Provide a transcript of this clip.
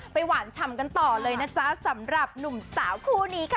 หวานฉ่ำกันต่อเลยนะจ๊ะสำหรับหนุ่มสาวคู่นี้ค่ะ